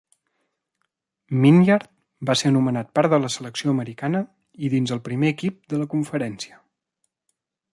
Maynard va ser anomenat part de la selecció americana i dins el primer equip de la Conferència.